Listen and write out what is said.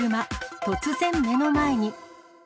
突然目の前に。